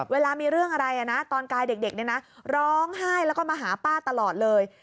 เวลามีเรื่องอะไรนะตอนกายเด็กเนี่ยนะร้องไห้แล้วก็มาหาป้าตลอดเลย